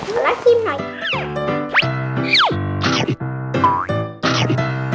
เอาล่ะชิมหน่อย